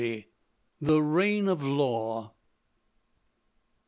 THE REIGN OF LAW.